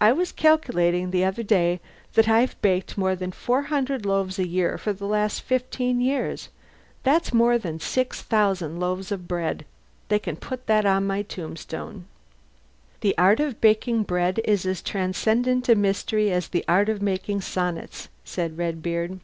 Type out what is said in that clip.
"I was calculating the other day that I've baked more than 400 loaves a year for the last fifteen years. That's more than 6,000 loaves of bread. They can put that on my tombstone." "The art of baking bread is as transcendent a mystery as the art of making sonnets," said Redbeard.